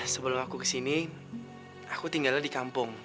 sebelum aku kesini aku tinggalnya di kampung